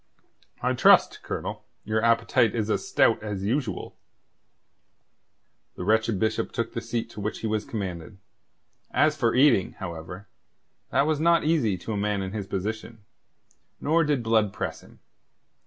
"I trust, Colonel, your appetite is as stout as usual." The wretched Bishop took the seat to which he was commanded. As for eating, however, that was not easy to a man in his position; nor did Blood press him.